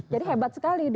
jadi hebat sekali